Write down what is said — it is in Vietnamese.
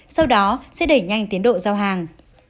sau đó sẽ đẩy nhanh tiến độ giao hàng